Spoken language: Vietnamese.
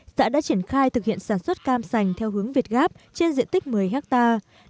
xã đã triển khai thực hiện sản xuất cam sành theo hướng việt gáp trên diện tích một mươi hectare